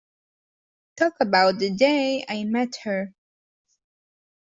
Talk about the day I met her.